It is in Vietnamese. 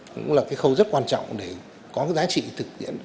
cũng là cái khâu rất quan trọng để có cái giá trị thực tiễn